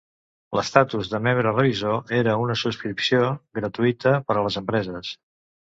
L'estatus de "membre revisor" era una subscripció gratuïta per a les empreses.